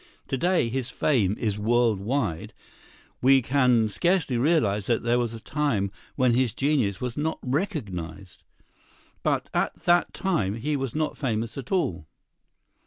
To day his fame is world wide; we can scarcely realize that there was a time when his genius was not recognized, but at that time he was not famous at all.